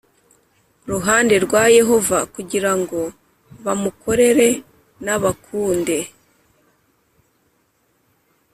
ruhande rwa Yehova kugira ngo bamukorere n bakunde